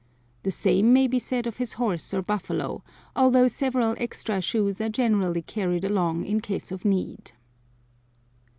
The same may be said of his horse or buffalo, although several extra shoes are generally carried along in case of need.